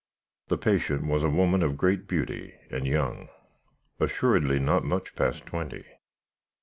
"The patient was a woman of great beauty, and young; assuredly not much past twenty.